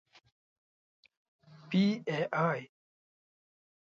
پی ای اې.